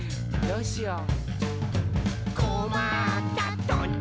「どうしよう？」